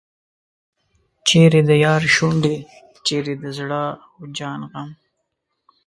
چیرې د یار شونډې چیرې د زړه او جان غم.